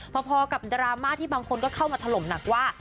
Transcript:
พอกับดราม่าที่บางคนก็เข้ามาถล่มหนักว่า